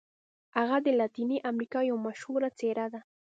هغه د لاتیني امریکا یوه مشهوره څیره ده.